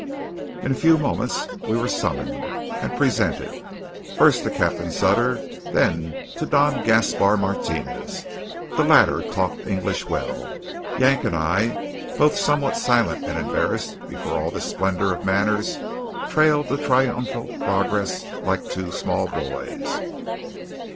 In a few moments we were summoned, and presented; first to Captain Sutter, then to Don Gaspar Martinez. The latter talked English well. Yank and I, both somewhat silent and embarrassed before all this splendour of manner, trailed the triumphal progress like two small boys.